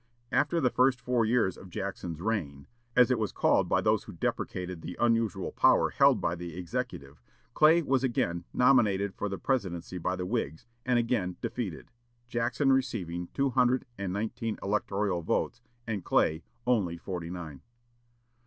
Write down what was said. After the first four years of Jackson's "reign," as it was called by those who deprecated the unusual power held by the executive, Clay was again nominated for the presidency by the Whigs, and again defeated, Jackson receiving two hundred and nineteen electoral votes and Clay only forty nine.